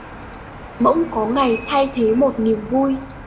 Bỗng có ngày thay thế một niềm vui